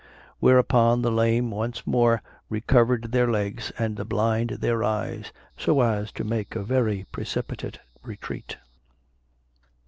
Whereupon the lame once more recovered their legs, and the blind their eyes, so as to make a very precipitate retreat.